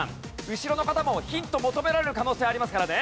後ろの方もヒントを求められる可能性ありますからね。